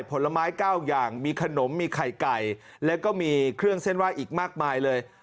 ผลไม้เก้าอย่างมีขนมมีไข่ไก่แล้วก็มีเครื่องเส้นไหว้อีกมากมายเลย